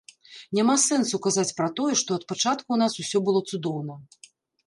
Няма сэнсу казаць пра тое, што ад пачатку ў нас усё было цудоўна.